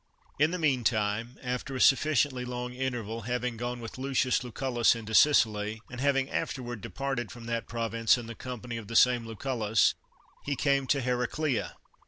In the meantime, after a sufficiently long in terval, having gone with Lucius LucuUus into Sicily, and having afterward departed from that province in the company of the same Lu cullus, he came to Heraclea.